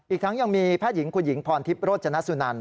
อีกทั้งยังมีแพทย์หญิงคุณหญิงพรทิพย์โรจนสุนัน